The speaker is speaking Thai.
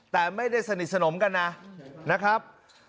แต่ไม่ได้สนิทสนมกันนะครับ